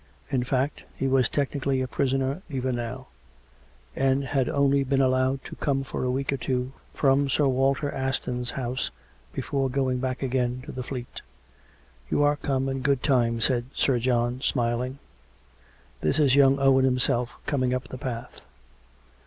In fact, he was technically a prisoner even now; and had only been allowed to come for a week or two from Sir Walter Aston's house before going back again to the Fleet. " You are come in good time," said Sir John, smiling. " That is young Owen himself coming up the path."